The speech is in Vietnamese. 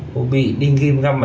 cũng bị đinh ghim găm